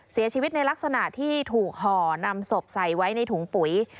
เสียชีวิตในลักษณะที่ถูกห่อนำศพใส่ไว้ในถุงปุ๋ย